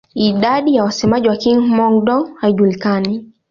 Idadi ya wasemaji wa Kihmong-Dô haijulikani.